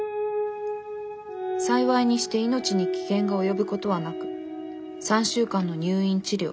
幸いにして命に危険が及ぶことはなく３週間の入院治療。